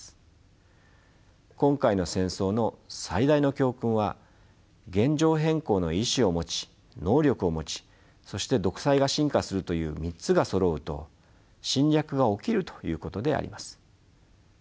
今回の戦争の最大の教訓は現状変更の意思を持ち能力を持ちそして独裁が深化するという３つがそろうと侵略が起きるということであります。